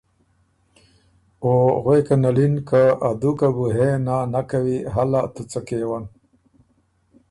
او غوېکن ال اِن که ”ا دُوکه بُو هې نا نک کوی هلا تُو څه کېون